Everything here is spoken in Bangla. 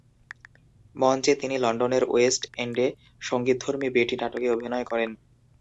মঞ্চে তিনি লন্ডনের ওয়েস্ট এন্ডে সঙ্গীতধর্মী "বেটি" নাটকে অভিনয় করেন।